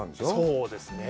そうですね。